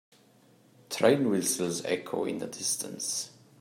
Train whistles echo in the distance.